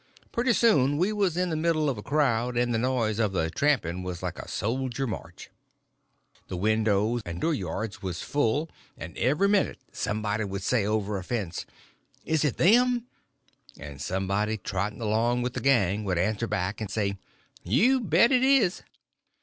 Pretty soon we was in the middle of a crowd, and the noise of the tramping was like a soldier march. The windows and dooryards was full; and every minute somebody would say, over a fence: "Is it them?" And somebody trotting along with the gang would answer back and say: "You bet it is."